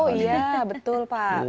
oh iya betul pak